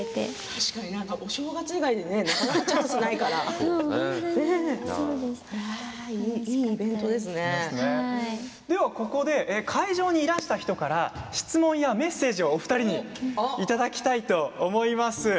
確かにお正月以外でなかなかチャンスがないからここで会場にいらした人から質問やメッセージをお二人にいただきたいと思います。